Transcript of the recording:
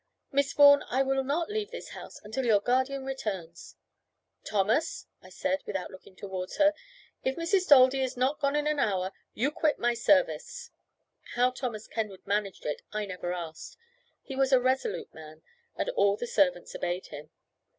"Miss Vaughan, I will not leave this house until your guardian returns." "Thomas," I said, without looking towards her, "if Mrs. Daldy is not gone in an hour, you quit my service." How Thomas Kenwood managed it, I never asked. He was a resolute man, and all the servants obeyed him.